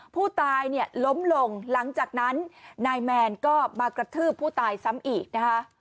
ผู้ตายเนี่ยล้มลงหลังจากนั้นนายแมนก็มากระทืบผู้ตายซ้ำอีกนะคะ